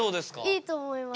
いいと思います。